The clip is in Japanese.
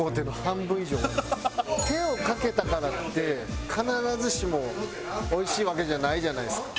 手をかけたからって必ずしもおいしいわけじゃないじゃないですか。